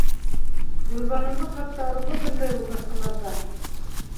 Гөлбаныуҙың хатта рухын көнләй ул башҡаларҙан.